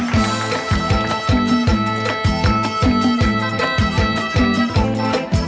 สวัสดีครับ